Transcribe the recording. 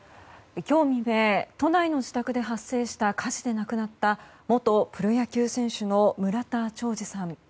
今日未明、都内の自宅で発生した火事で亡くなった元プロ野球選手の村田兆治さん。